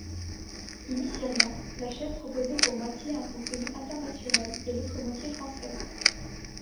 Initialement la chaîne proposait pour moitié un contenu international et l'autre moitié française.